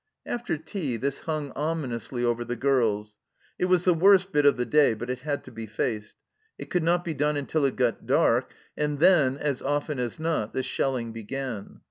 After tea this hung ominously over the girls ; it was the worst bit of the day, but it had to be faced. It could not be done until it got dark, and then, as often as not, the shelling began.